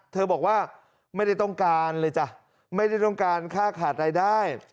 บอกว่าไม่ได้ต้องการเลยจ้ะไม่ได้ต้องการค่าขาดรายได้